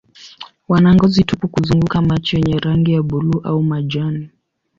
Wana ngozi tupu kuzunguka macho yenye rangi ya buluu au majani.